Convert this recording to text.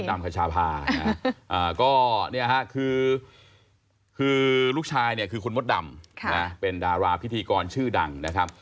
มดดำคัชภานะคือลูกชายเนี่ยคือคุณมดดำเป็นดาราพิธีกรชื่อดังนะครับ